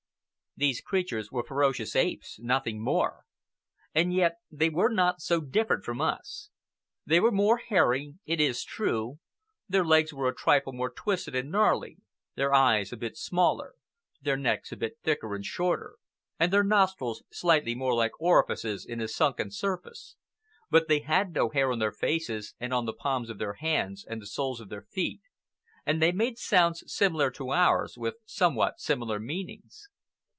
These creatures were ferocious apes, nothing more. And yet they were not so different from us. They were more hairy, it is true; their legs were a trifle more twisted and gnarly, their eyes a bit smaller, their necks a bit thicker and shorter, and their nostrils slightly more like orifices in a sunken surface; but they had no hair on their faces and on the palms of their hands and the soles of their feet, and they made sounds similar to ours with somewhat similar meanings.